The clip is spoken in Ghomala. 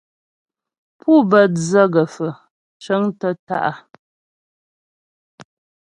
Pú bə́ dzə gə̀faə̀ cəŋtə́ tǎ'a.